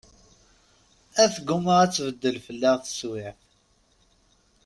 A tegguma ad tbeddel fell-aɣ teswiɛt.